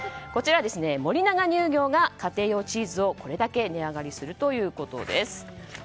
こちらは森永乳業が家庭用チーズをこれだけ値上がりするということです。